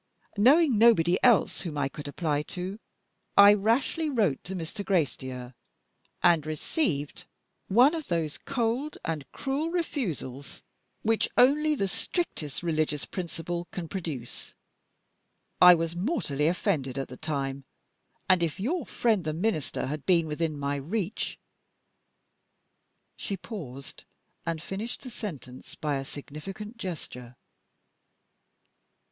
Knowing nobody else whom I could apply to, I rashly wrote to Mr. Gracedieu, and received one of those cold and cruel refusals which only the strictest religious principle can produce. I was mortally offended at the time; and if your friend the Minister had been within my reach " She paused, and finished the sentence by a significant gesture.